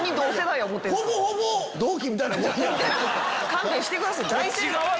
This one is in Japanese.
勘弁してください。